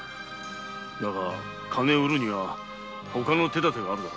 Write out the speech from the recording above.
だが金を得るにはほかの手だてがあるだろう。